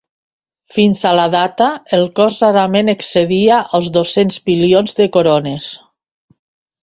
Fins a la data el cost rarament excedia els dos-cents milions de corones.